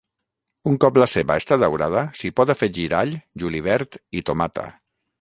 Un cop la ceba està daurada s'hi pot afegir all, julivert i tomata.